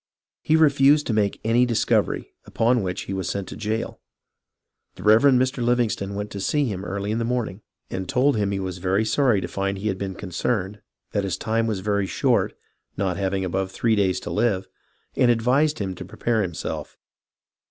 He refused to make any discovery, upon which he was sent to jail. The Reverend Mr. Livingston went to see him early in the morning, and told him he was very sorry to find he had been concerned, that his time was very short, not having above three days to live, and advised him to prepare himself.